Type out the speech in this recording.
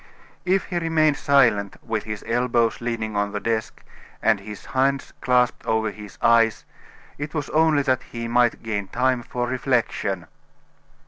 If he remained silent, with his elbows leaning on the desk, and his hands clasped over his eyes, it was only that he might gain time for reflection.